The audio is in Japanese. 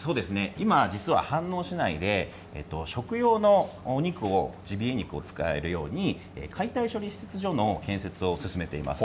今、飯能市内で、食用のお肉をジビエ肉を使えるように、解体処理施設所の建設を進めています。